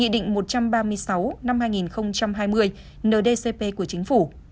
định một trăm ba mươi sáu năm hai nghìn hai mươi ndcp của chính phủ